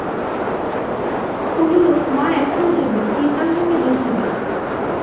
কহিল, মা একলা যাইবেন, কে তাঁহাকে দেখিবে।